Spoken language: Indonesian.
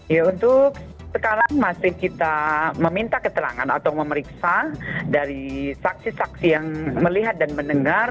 ya untuk sekarang masih kita meminta keterangan atau memeriksa dari saksi saksi yang melihat dan mendengar